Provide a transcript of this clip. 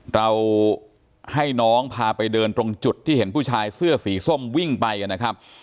เราให้น้องพาไปเดินตรงจุดที่เห็นผู้ชายเสื้อสีส้มวิ่งไปนะครับ